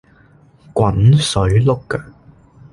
滾水淥腳